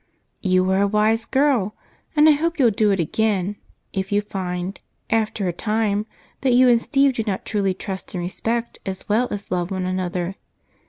"You were a wise girl and I hope you'll do it again if you find, after a time, that you and Steve do not truly trust and respect as well as love one another.